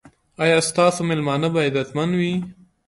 ایا ستاسو میلمانه به عزتمن وي؟